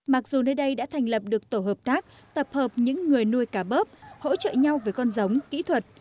mặc dù nơi đây đã thành lập được tổ hợp tác tập hợp những người nuôi cá bớp hỗ trợ nhau về con giống kỹ thuật